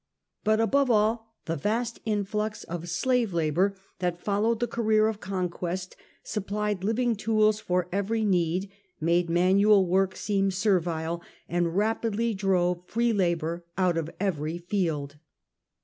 But above all the vast influx of slave labour that followed the career of conquest supplied living tools for every need, made manual work seem servile, and rapidly drove free labour out of every field.